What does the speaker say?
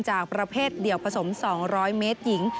จากประเภทเดี่ยวผสม๒๐๐เมตรหญิง